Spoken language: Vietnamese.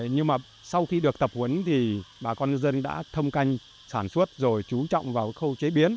nhưng mà sau khi được tập huấn thì bà con nhân dân đã thâm canh sản xuất rồi chú trọng vào khâu chế biến